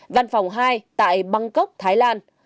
văn phòng hai tại bangkok thái lan